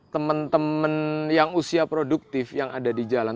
teman teman yang usia produktif yang ada di jalan